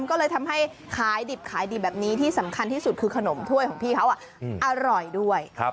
ก็เลยทำให้ขายดิบขายดีแบบนี้ที่สำคัญที่สุดคือขนมถ้วยของพี่เขาอร่อยด้วย